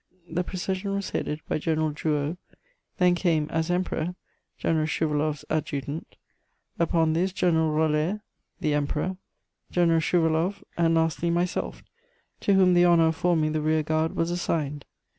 The procession was headed by General Drouot; then came, as Emperor, General Schouwaloff's Adjutant; upon this General Roller, the Emperor, General Schouwaloff, and lastly, myself, to whom the honour of forming the rear guard was assigned.